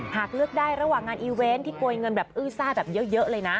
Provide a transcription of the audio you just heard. หากเลือกได้ระหว่างงานอีเวนต์ที่โกยเงินแบบอื้อซ่าแบบเยอะเลยนะ